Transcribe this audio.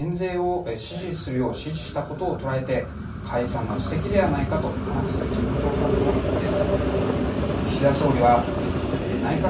一方で、岸田総理が、所得税の減税を指示するよう、指示したことを捉えて、解散の布石ではないかと、話す自民党幹部もいるんです。